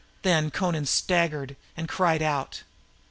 Then Amra staggered and cried out.